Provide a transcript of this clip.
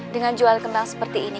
dengan jual kendang seperti ini